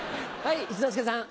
一之輔さん。